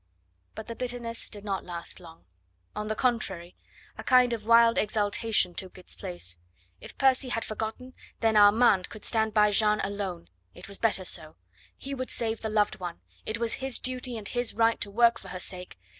But the bitterness did not last long; on the contrary, a kind of wild exultation took its place. If Percy had forgotten, then Armand could stand by Jeanne alone. It was better so! He would save the loved one; it was his duty and his right to work for her sake.